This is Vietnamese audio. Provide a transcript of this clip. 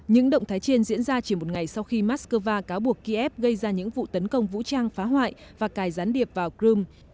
những động thái trên diễn ra chỉ một ngày sau khi moscow cáo buộc kiev gây ra những vụ tấn công vũ trang phá hoại và cài gián điệp vào crimea